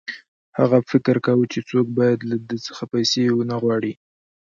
هغه فکر کاوه چې څوک باید له ده څخه پیسې ونه غواړي